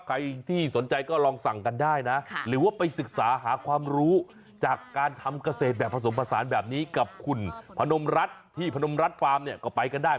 ใครที่สนใจก็ลองสั่งกันได้นะหรือว่าไปศึกษาหาความรู้จากการทำเกษตรแบบผสมผสานแบบนี้กับคุณพนมรัฐที่พนมรัฐฟาร์มเนี่ยก็ไปกันได้